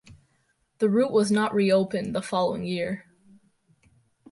The route was not reopened the following year.